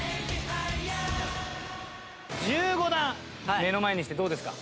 １５段目の前にしてどうですか？